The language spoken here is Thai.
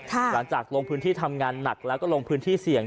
หลังจากลงพื้นที่ทำงานหนักแล้วก็ลงพื้นที่เสี่ยง